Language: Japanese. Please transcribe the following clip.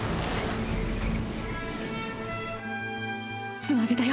つなげたよ